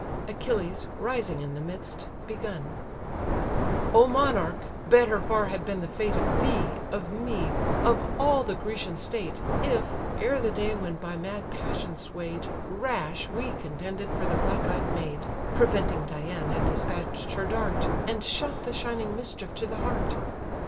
Achilles (rising in the midst) begun: "O monarch! better far had been the fate Of thee, of me, of all the Grecian state, If (ere the day when by mad passion sway'd, Rash we contended for the black eyed maid) Preventing Dian had despatch'd her dart, And shot the shining mischief to the heart!